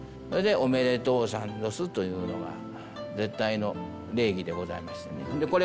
それで「おめでとうさんどす」と言うのが絶対の礼儀でございますんで。